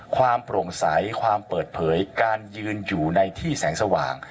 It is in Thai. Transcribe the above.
ความโปร่งใสความเปิดเผยการยืนอยู่ในที่แสงสว่าง